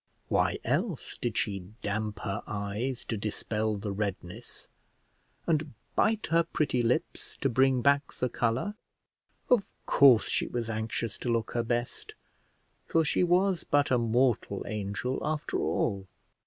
why else did she damp her eyes to dispel the redness, and bite her pretty lips to bring back the colour? Of course she was anxious to look her best, for she was but a mortal angel after all.